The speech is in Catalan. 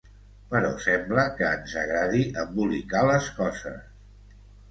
Però sembla que ens agradi embolicar les coses.